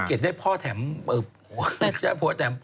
อ๋อเหรอได้เป็นเก็บได้พ่อแถมผัว